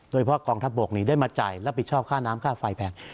โดยเพราะกองทัพบกนี้ได้มาจ่ายรับผิดชอบค่าน้ำค่าไฟแพง